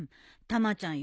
たまちゃん